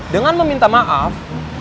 dengan meminta maaf